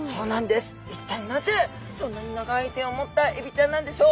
一体なぜそんなに長い手を持ったエビちゃんなんでしょう。